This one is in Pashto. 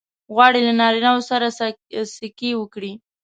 غواړې له نارینه وو سره سکی وکړې؟